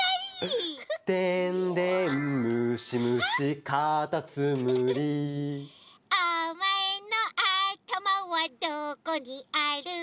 「でんでんむしむしかたつむり」「おまえのあたまはどこにある」